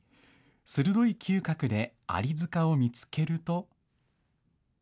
鋭い嗅覚でアリ塚を見つけると。